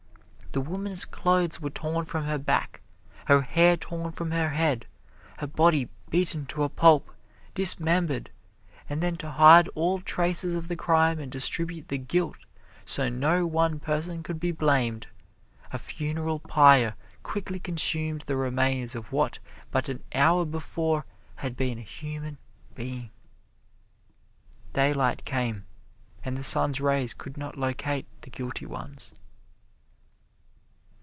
The woman's clothes were torn from her back, her hair torn from her head, her body beaten to a pulp, dismembered, and then to hide all traces of the crime and distribute the guilt so no one person could be blamed, a funeral pyre quickly consumed the remains of what but an hour before had been a human being. Daylight came, and the sun's rays could not locate the guilty ones.